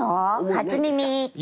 初耳。